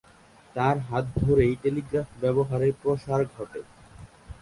তার হাত ধরেই টেলিগ্রাফ ব্যবহারের প্রসার ঘটে।